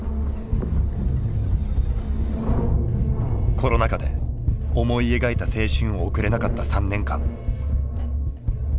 コロナ禍で思い描いた青春を送れなかった３年間。